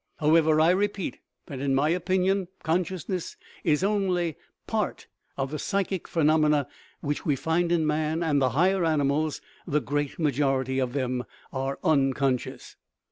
However, I repeat that, in my opinion, consciousness is only part of the psychic phenomena which we find in man and the higher animals; the great majority of them are unconscious.